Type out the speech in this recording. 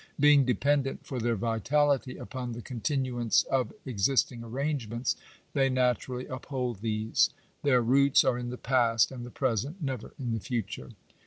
Being dependent for their vitality upon the con tinuance of existing arrangements, they naturally uphold these. Their roots are in the past and the present; never in the future.